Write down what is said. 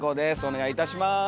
お願いいたします。